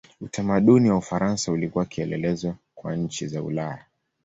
Utamaduni wa Ufaransa ulikuwa kielelezo kwa nchi za Ulaya.